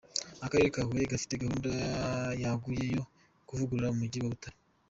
Akarere ka Huye gafite gahunda yaguye yo kuvugurura umugi wa Butare.